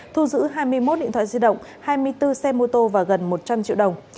thu giữ hai mươi một điện thoại di động hai mươi bốn xe mô tô và gần một trăm linh triệu đồng